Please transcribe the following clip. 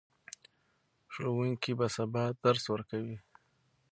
ښوونکي به سبا درس ورکوي.